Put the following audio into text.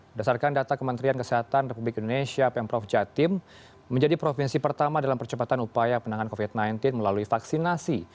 berdasarkan data kementerian kesehatan republik indonesia pemprov jatim menjadi provinsi pertama dalam percepatan upaya penanganan covid sembilan belas melalui vaksinasi